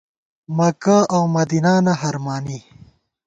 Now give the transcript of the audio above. مکہ اؤ مدینانہ ہرمانی